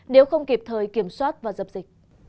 nếu không kịp thời kiểm soát và dập dịch